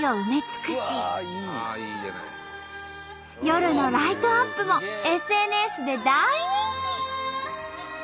夜のライトアップもＳＮＳで大人気！